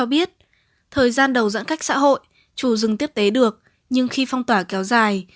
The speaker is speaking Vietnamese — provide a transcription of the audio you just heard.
biết thời gian đầu giãn cách xã hội chủ rừng tiếp tế được nhưng khi phong tỏa kéo dài